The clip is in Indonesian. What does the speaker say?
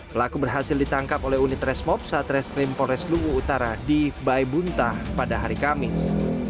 pelaku berhasil ditangkap oleh unit resmob saat reskrim polres luwu utara di baibuntah pada hari kamis